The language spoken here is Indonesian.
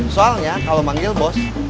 soalnya kalau manggil bos